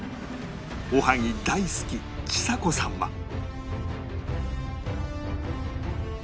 おはぎ大好きちさ子さんは